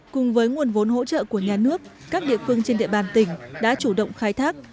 cùng với nguồn vốn hỗ trợ của nhà nước các địa phương trên địa bàn tỉnh đã chủ động khai thác